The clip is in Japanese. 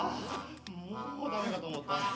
もうダメかとおもった。